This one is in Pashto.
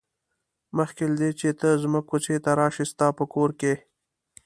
مخکې له دې چې ته زموږ کوڅې ته راشې ستا په کور کې.